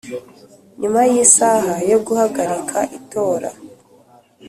nyuma y isaha yo guhagarika itora